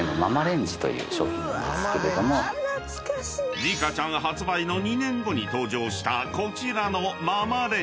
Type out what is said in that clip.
［リカちゃん発売の２年後に登場したこちらの］